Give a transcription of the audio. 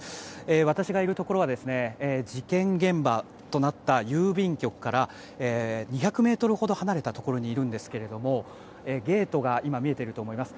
私がいるところは事件現場となった郵便局から２００ｍほど離れたところにいるんですがゲートが今見えていると思います。